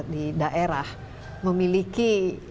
di daerah memiliki